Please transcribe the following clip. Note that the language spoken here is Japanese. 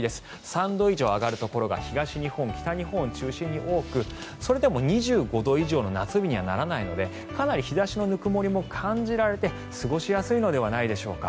３度以上上がるところが東日本、北日本を中心に多くそれでも２５度以上の夏日にはならないのでかなり日差しのぬくもりも感じられて過ごしやすいのではないでしょうか。